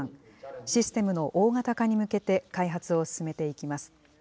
システムの大型化に向けて開発を進めていきます。